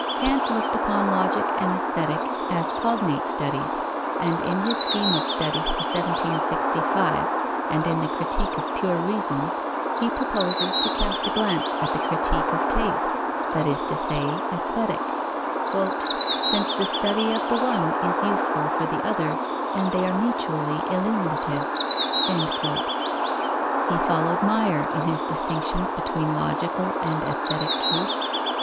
Kant looked upon Logic and Aesthetic as cognate studies, and in his scheme of studies for 1765, and in the Critique of Pure Reason, he proposes to cast a glance at the Critique of Taste, that is to say, Aesthetic, "since the study of the one is useful for the other and they are mutually illuminative." He followed Meier in his distinctions between logical and aesthetic truth.